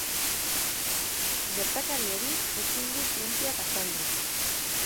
Gertakari hori ezin du zientziak azaldu.